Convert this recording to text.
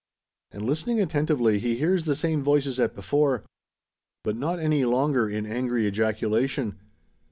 And, listening attentively, he hears the same voices as before. But not any longer in angry ejaculation.